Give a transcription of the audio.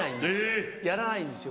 やらないんですよ